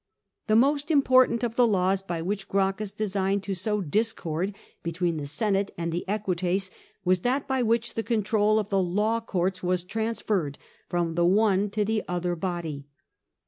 The most important of the laws by which Grracchus designed to sow discord between the Senate and tbe Eqnites was that by which the control of the law courts was trans ferred from the one to the other body.